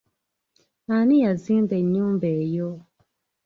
Ani yazimba ennyumba eyo?